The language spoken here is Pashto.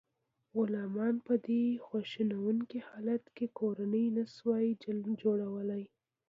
غلامانو په دې خواشینونکي حالت کې کورنۍ نشوای جوړولی.